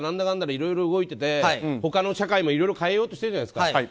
かんだでいろいろ動いていて他の社会もいろいろ変えようとしてるじゃないですか。